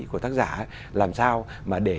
của tác giả làm sao mà để